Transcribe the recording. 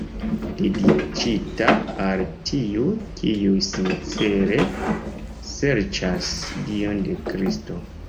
Dediĉita al tiuj, kiuj sincere serĉas Dion de Kristo.